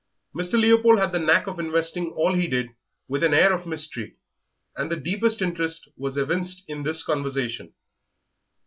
Mr. Leopold had the knack of investing all he did with an air of mystery, and the deepest interest was evinced in this conversation.